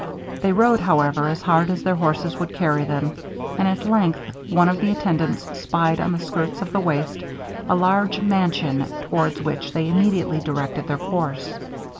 They rode, however, as hard as their horses would carry them; and at length one of the attendants spied on the skirts of the waste a large mansion, towards which they immediately directed their course.